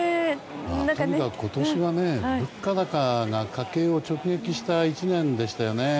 今年はね物価高が家計を直撃した１年でしたよね。